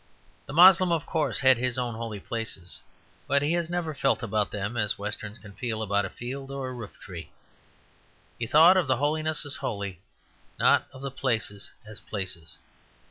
The Moslem, of course, had his own holy places; but he has never felt about them as Westerns can feel about a field or a roof tree; he thought of the holiness as holy, not of the places as places.